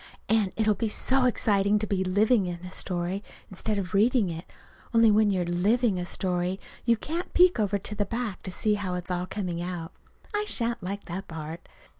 And it'll be so exciting to be living a story instead of reading it only when you're living a story you can't peek over to the back to see how it's all coming out. I shan't like that part.